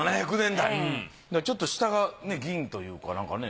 ちょっと下が銀というかなんかね。